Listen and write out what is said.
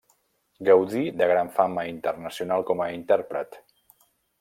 Gaudí de gran fama internacional com a intèrpret.